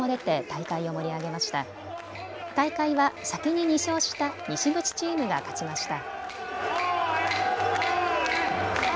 大会は先に２勝した西口チームが勝ちました。